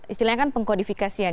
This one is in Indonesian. istilahnya kan pengkodifikasian